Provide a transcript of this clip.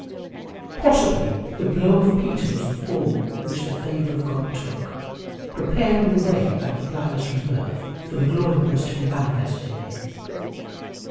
Possibly the blow of Peter was the form which the favour of God took, preparing the way, like the blindness from the birth, for the glory that was to be manifested in him.